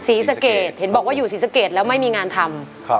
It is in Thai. ศรีสะเกดเห็นบอกว่าอยู่ศรีสะเกดแล้วไม่มีงานทำ